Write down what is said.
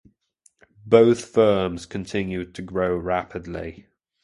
Both firms continued to grow rapidly.